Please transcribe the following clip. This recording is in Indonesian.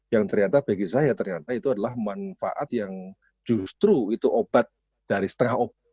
yang ternyata bagi saya ternyata itu adalah manfaat yang justru itu obat dari setengah obat